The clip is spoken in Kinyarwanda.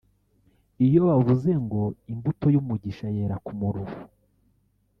Iyo bavuze ngo imbuto y’umugisha yera ku muruho